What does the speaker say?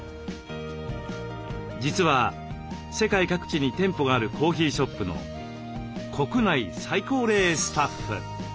実は世界各地に店舗があるコーヒーショップの国内最高齢スタッフ。